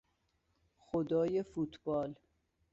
خدای فوتبال